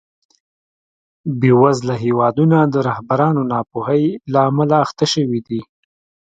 بېوزله هېوادونه د رهبرانو ناپوهۍ له امله اخته شوي دي.